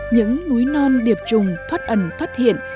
những núi non điệp trùng thoát ẩn thoát hiện